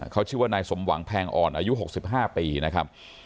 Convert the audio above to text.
เขาชื่อว่านายสมหวังแพงอ่อนอายุ๖๕ปีนะครับ